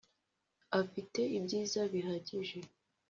afite ibyiza bihagije.